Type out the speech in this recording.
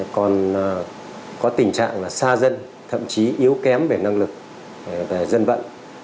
còn có tình trạng là xa dân thậm chí yếu kém về năng lực về dân vận